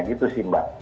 gitu sih mbak